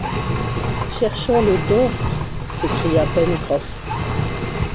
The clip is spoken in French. Cherchons-le donc! s’écria Pencroff.